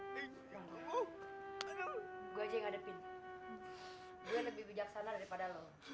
aku saja yang menghadapinya